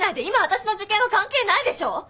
今私の受験は関係ないでしょ？